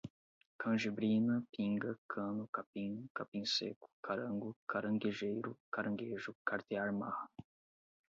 canjibrina, pinga, cano, capim, capim sêco, carango, caranguejeiro, caranguejo, cartear marra